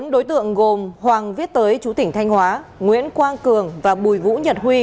bốn đối tượng gồm hoàng viết tới chú tỉnh thanh hóa nguyễn quang cường và bùi vũ nhật huy